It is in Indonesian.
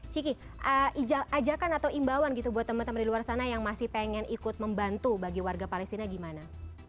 ciki ajakan atau imbauan gitu buat teman teman di luar sana yang masih pengen ikut membantu bagi warga palestina gimana